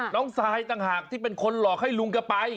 ทรายต่างหากที่เป็นคนหลอกให้ลุงแกไป